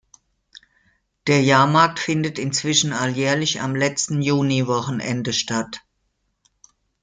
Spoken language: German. Der Jahrmarkt findet inzwischen alljährlich am letzten Juniwochenende statt.